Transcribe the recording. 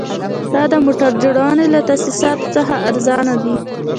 دا د موټر جوړونې له تاسیساتو څخه ارزانه دي